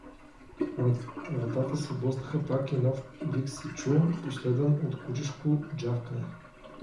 Вратата се блъснаха пак и нов вик се чу, последван от кучешко джавкане.